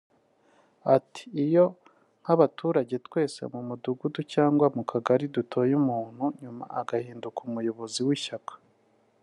Ati “Iyo nk’abaturage twese mu mudugudu cyangwa mu kagari dutoye umuntu nyuma agahinduka umuyobozi w’ishyaka